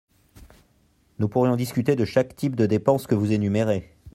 Nous pourrions discuter de chaque type de dépenses que vous énumérez.